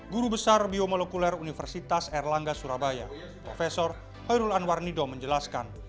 guru besar biomolekuler universitas erlangga surabaya profesor hoerul anwar nido menjelaskan